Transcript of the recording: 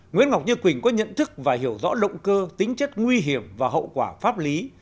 nguyễn ngọc như quỳnh có nhận thức và hiểu rõ động cơ tính chất nguy hiểm và hậu quả pháp lý